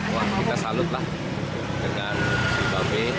wah kita salut lah dengan si bapak b